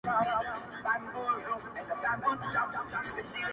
د شېخانو د ټگانو، د محل جنکۍ واوره،